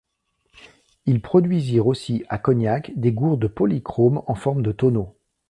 Ils produisirent aussi à Cognac des gourdes polychromes en forme de tonneaux.